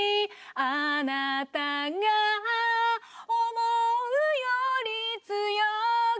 「あなたが想うより強く」